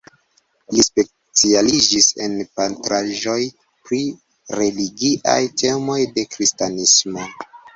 Li specialiĝis en pentraĵoj pri religiaj temoj de kristanismo.